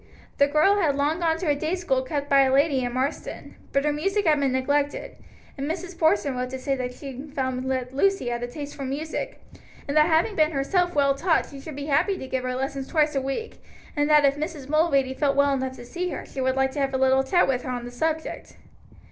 The girl had long gone to a day school kept by a lady in Marsden, but her music had been neglected, and Mrs. Porson wrote to say that she found that Lucy had a taste for music, and that having been herself well taught she should be happy to give her lessons twice a week, and that if Mrs. Mulready felt well enough to see her she would like to have a little chat with her on the subject.